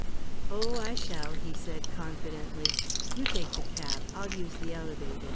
"Oh, I shall," he said confidently. "You take the cab. I'll use the elevated.